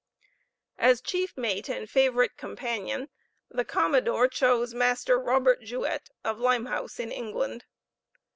As chief mate and favorite companion, the commodore chose Master Robert Juet, of Limehouse, in England.